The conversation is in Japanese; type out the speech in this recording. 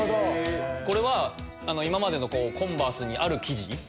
これは今までのコンバースにある生地。